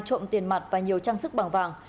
trộm tiền mặt và nhiều trang sức bằng vàng